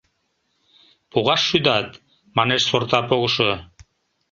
— Погаш шӱдат, — манеш сорта погышо.